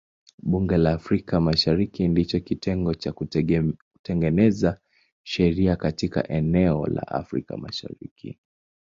Bunge la Afrika Mashariki ndicho kitengo cha kutengeneza sheria katika eneo la Afrika Mashariki.